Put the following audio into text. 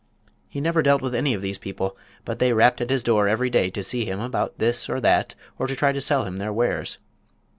He never dealt with any of these people; but they rapped at his door every day to see him about this or that or to try to sell him their wares.